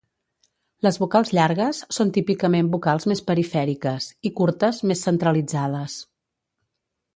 Les vocals llargues són típicament vocals més perifèriques i curtes més centralitzades.